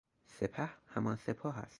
سپه، همان سپاه است